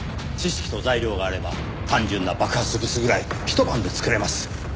知識と材料があれば単純な爆発物ぐらいひと晩で作れます。